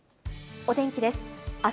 お天気です。